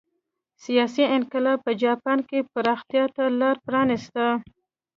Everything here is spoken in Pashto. سیاسي انقلاب په جاپان کې پراختیا ته لار پرانېسته.